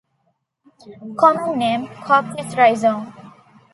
Common Name: Coptis Rhizome.